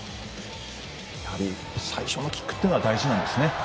やはり最初のキックは大事なんですね。